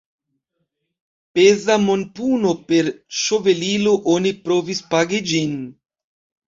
Peza monpuno – per ŝovelilo oni provis pagi ĝin.